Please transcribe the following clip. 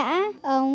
con cảm thấy rất vui